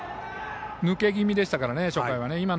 抜け気味でしたから、初回はね。